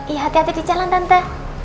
iya hati hati di jalan tanpa